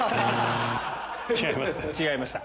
違います。